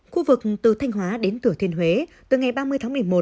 khu vực từ thanh hóa đến thừa thiên huế từ ngày ba mươi tháng một mươi một